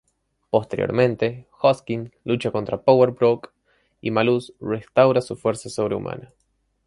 Posteriormente, Hoskins lucha contra Power Broker, y Malus restaura su fuerza sobrehumana.